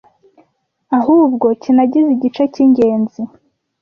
ahubwo kinagize igice cy'ingenzi